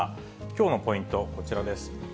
きょうのポイント、こちらです。